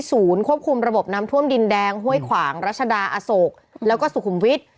ควบคุมระบบน้ำท่วมดินแดงห้วยขวางรัชดาอโศกแล้วก็สุขุมวิทย์